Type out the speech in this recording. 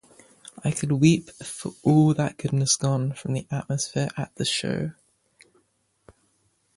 I could weep for all that "goodness" gone from our atmosphere at the show".